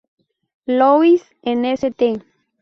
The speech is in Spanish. Louis en St.